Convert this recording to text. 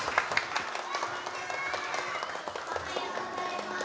おはようございます。